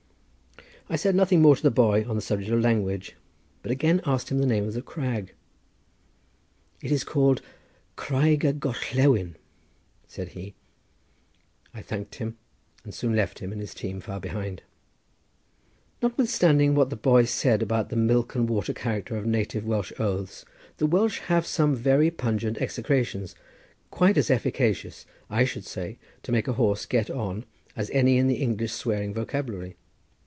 I said nothing more to the boy on the subject of language, but again asked him the name of the crag. "It is called Craig y Gorllewin," said he. I thanked him, and soon left him and his team far behind. Notwithstanding what the boy said about the milk and water character of native Welsh oaths, the Welsh have some very pungent execrations, quite as efficacious, I should say, to make a horse get on as any in the English swearing vocabulary.